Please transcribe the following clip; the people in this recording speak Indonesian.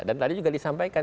dan tadi juga disampaikan